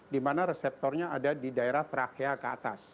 dimana reseptornya ada di daerah trachea ke atas